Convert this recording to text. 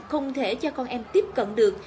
không thể cho con em tiếp cận được